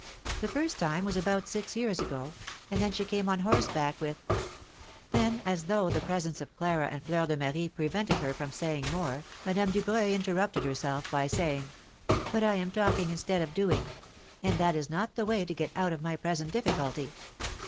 The first time was about six years ago, and then she came on horseback with " Then, as though the presence of Clara and Fleur de Marie prevented her from saying more, Madame Dubreuil interrupted herself by saying, "But I am talking instead of doing; and that is not the way to get out of my present difficulty.